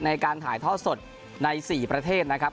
ในการถ่ายทอดสดใน๔ประเทศนะครับ